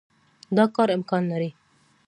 دا کار امکان لري.